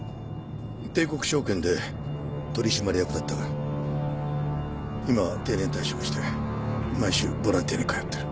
帝国証券で取締役だったが今は定年退職して毎週ボランティアに通ってる。